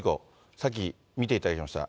さっき見ていただきました